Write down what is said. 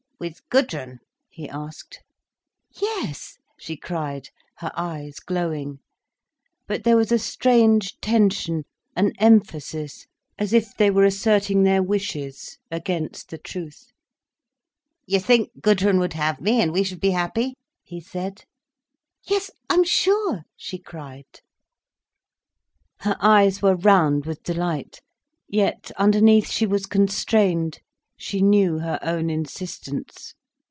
"With Gudrun?" he asked. "Yes!" she cried, her eyes glowing. But there was a strange tension, an emphasis, as if they were asserting their wishes, against the truth. "You think Gudrun would have me, and we should be happy?" he said. "Yes, I'm sure!" she cried. Her eyes were round with delight. Yet underneath she was constrained, she knew her own insistence.